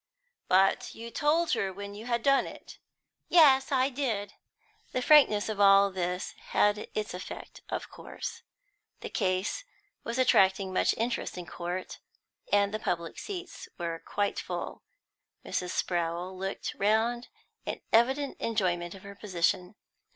"But you told her when you had done it?" "Yes, I did." The frankness of all this had its effect, of course. The case was attracting much interest in court, and the public seats were quite full. Mrs. Sprowl looked round in evident enjoyment of her position.